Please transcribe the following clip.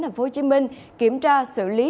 thành phố hồ chí minh kiểm tra xử lý